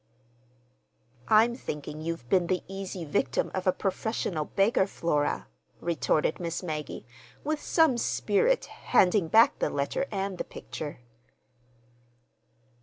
"I'm thinking you've been the easy victim of a professional beggar, Flora," retorted Miss Maggie, with some spirit, handing back the letter and the picture.